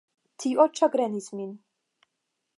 Tio ĉagrenis min.